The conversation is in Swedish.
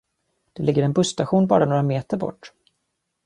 Det ligger en busstation bara några meter bort.